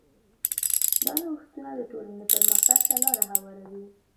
دا نوښتونه د ټولنې پرمختګ ته لاره هواروي.